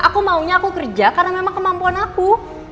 aku maunya aku kerja karena memang kemampuan aku